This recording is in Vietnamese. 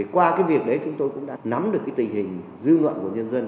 qua cái việc đấy chúng tôi cũng đã nắm được cái tình hình dư luận của nhân dân